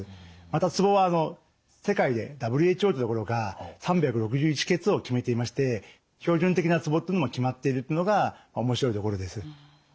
またツボは世界でＷＨＯというところが３６１穴を決めていまして標準的なツボっていうのも決まっているっていうのが面白いところです。